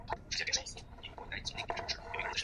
周尺约为汉尺八寸。